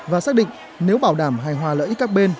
và xác định nếu bảo đảm hài hòa lợi ích các bên